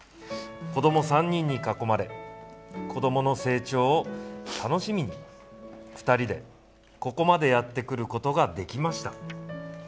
子ども３人に囲まれ子どもの成長を楽しみに２人で、ここまでやってくることができました。